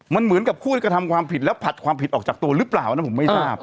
มันเหมือนกับผู้กระทำความผิดแล้วผลัดความผิดออกจากตัวหรือเปล่านะผมไม่ทราบ